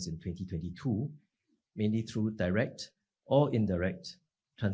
terutama melalui pengisian kebijakan